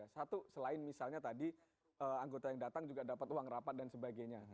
satu selain misalnya tadi anggota yang datang juga dapat uang rapat dan sebagainya